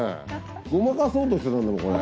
ごまかそうとしてたんだもんこれ。